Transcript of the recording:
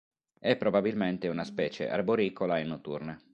È probabilmente una specie arboricola e notturna.